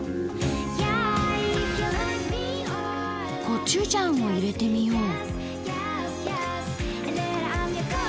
コチュジャンを入れてみよう。